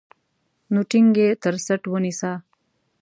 نو ټينګ يې تر څټ ونيسه.